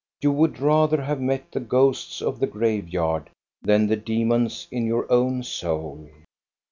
You would rather have met the ghosts of the graveyard than the demons in your own soul.